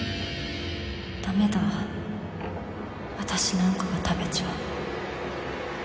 ダメだ私なんかが食べちゃ。